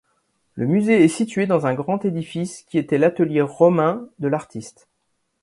Le musée est située dans un grand édifice qui était l'atelier romain de l’artiste.